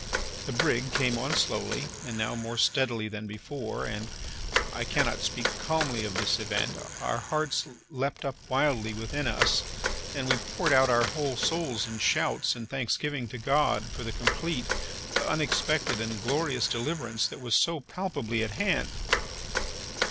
The brig came on slowly, and now more steadily than before, and—I cannot speak calmly of this event—our hearts leaped up wildly within us, and we poured out our whole souls in shouts and thanksgiving to God for the complete, unexpected, and glorious deliverance that was so palpably at hand.